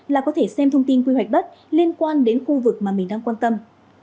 là có thể xem thông tin quy hoạch đất liên quan đến khu vực mà mình đang quan tâm